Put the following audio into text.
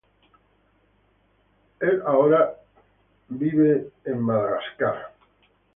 Él ahora vive en Sídney, Australia.